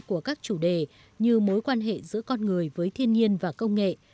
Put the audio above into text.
của các chủ đề như mối quan hệ giữa con người với thiên nhiên và công nghệ